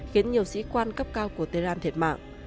khiến nhiều sĩ quan cấp cao của tehran thiệt mạng